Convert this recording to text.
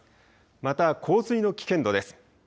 また洪水の危険度です。